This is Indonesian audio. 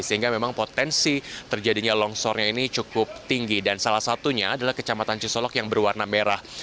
sehingga memang potensi terjadinya longsornya ini cukup tinggi dan salah satunya adalah kecamatan cisolok yang berwarna merah